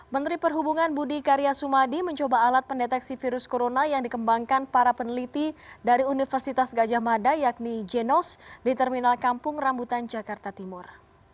menteri perhubungan budi karya sumadi mencoba alat pendeteksi virus corona yang dikembangkan para peneliti dari universitas gajah mada yakni jenos di terminal kampung rambutan jakarta timur